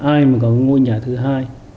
ai mà có ngôi nhà thứ hai